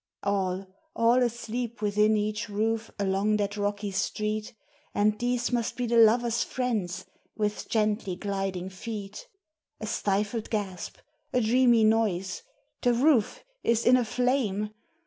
All, all asleep within each roof along that rocky street, And these must be the lover's friends, with gently gliding feet. A stifled gasp! a dreamy noise! The roof is in a flame!